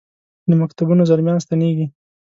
له مکتبونو زلمیا ن ستنیږي